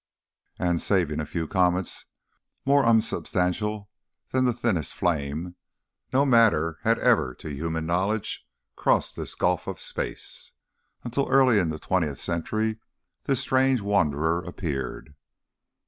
And, saving a few comets more unsubstantial than the thinnest flame, no matter had ever to human knowledge crossed this gulf of space, until early in the twentieth century this strange wanderer appeared.